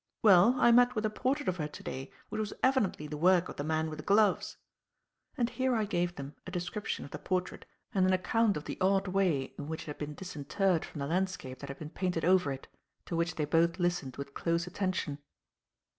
Well, I met with a portrait of her to day which was evidently the work of the man with the gloves," and here I gave them a description of the portrait and an account of the odd way in which it had been disinterred from the landscape that had been painted over it, to which they both listened with close attention.